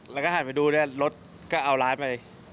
แล้วก็หันไปดูเนี่ยรถก็เอาร้านไป